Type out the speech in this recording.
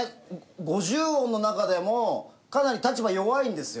五十音の中でもかなり立場弱いんですよ。